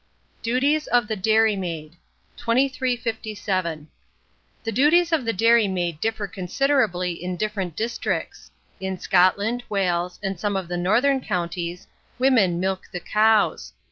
DUTIES OF THE DAIRY MAID. 2357. The duties of the dairy maid differ considerably in different districts. In Scotland, Wales, and some of the northern counties, women milk the cows.